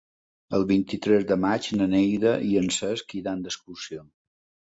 El vint-i-tres de maig na Neida i en Cesc iran d'excursió.